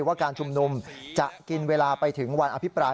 ว่าการชุมนุมจะกินเวลาไปถึงวันอภิปราย